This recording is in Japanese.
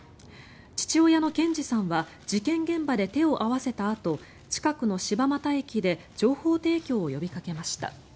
父親の賢二さんは事件現場で手を合わせたあと近くの柴又駅で情報提供を呼びかけました。